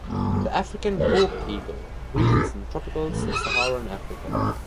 The African hawk-eagle breeds in tropical Sub-Saharan Africa.